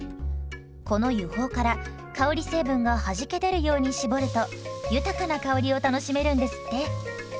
この油胞から香り成分がはじけ出るように搾ると豊かな香りを楽しめるんですって。